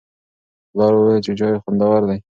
پلار وویل چې چای خوندور دی.